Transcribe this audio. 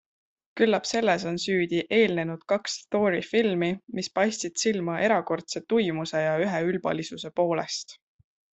Küllap selles on süüdi eelnenud kaks Thori-filmi, mis paistsid silma erakordse tuimuse ja üheülbalise poolest.